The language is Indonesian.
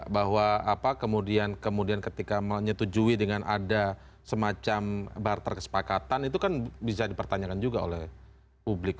bahwa kemudian ketika menyetujui dengan ada semacam barter kesepakatan itu kan bisa dipertanyakan juga oleh publik